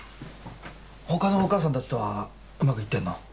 ほかのお母さんたちとはうまくいってんの？